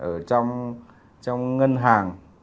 ở trong ngân hàng